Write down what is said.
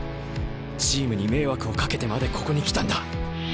チームに迷惑をかけてまでここに来たんだ。